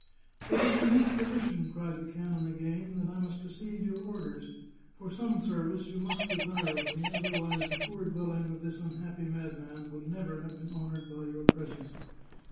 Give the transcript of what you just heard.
" It is in this position," cried the canon again, " that I must receive your orders — for some service you must desire of me, otherwise the poor dwelling of this unhappy madman would never have been honoured by your presence.